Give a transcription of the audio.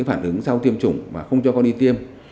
sợ những phản ứng sau tiêm chủng mà không cho con đi tiêm